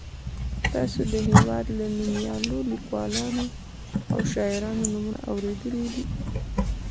تاسو د هېواد له نومیالیو لیکوالو او شاعرانو نومونه اورېدلي.